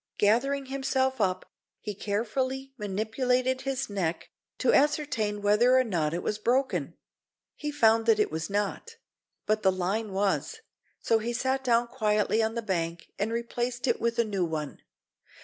Gathering himself up, he carefully manipulated his neck, to ascertain whether or not it was broken. He found that it was not; but the line was, so he sat down quietly on the bank and replaced it with a new one.